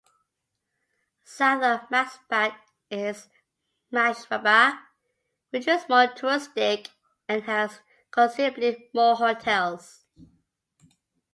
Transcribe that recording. South of Masbat is Mashraba, which is more touristic and has considerably more hotels.